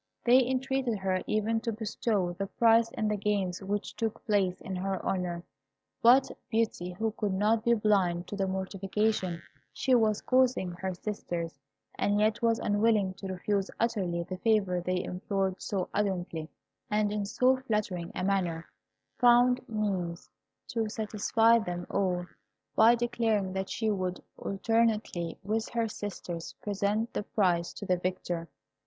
They entreated her even to bestow the prize in the games which took place in her honour; but Beauty, who could not be blind to the mortification she was causing her sisters, and yet was unwilling to refuse utterly the favour they implored so ardently, and in so flattering a manner, found means to satisfy them all, by declaring that she would, alternately with her sisters, present the prize to the victor.